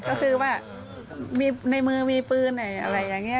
ก็คือว่ามีในมือมีปืนอะไรอย่างนี้